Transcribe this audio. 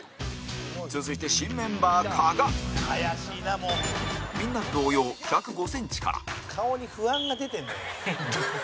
続いて、新メンバー、加賀みんなと同様１０５ｃｍから山崎：顔に不安が出てるのよ。